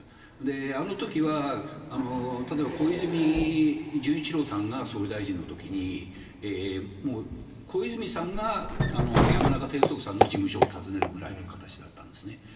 あの時は小泉純一郎さんが総理大臣の時に小泉さんがヤマナカさんの事務所を訪ねるぐらいの形だったんですね。